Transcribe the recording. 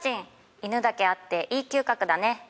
犬だけあっていい嗅覚だね